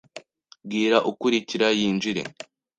Bwira ukurikira yinjire.